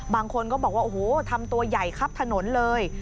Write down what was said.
บางคนก็บอกว่าโอ้โหทำตัวใหญ่ครับถนนเลย